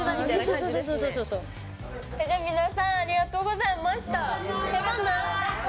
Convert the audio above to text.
じゃ皆さんありがとうございました。